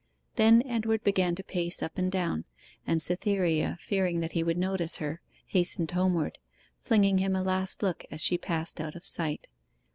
Then Edward began to pace up and down, and Cytherea, fearing that he would notice her, hastened homeward, flinging him a last look as she passed out of sight.